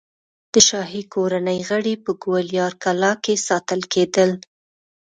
د شاهي کورنۍ غړي په ګوالیار کلا کې ساتل کېدل.